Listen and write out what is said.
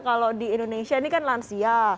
kalau di indonesia ini kan lansia